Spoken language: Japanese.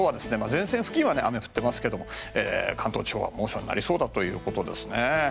前線付近は雨降っていますけど関東地方は猛暑になりそうだということですね。